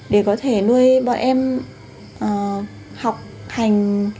để có thể nuôi bọn em học hành